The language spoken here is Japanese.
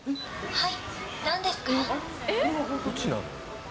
はい。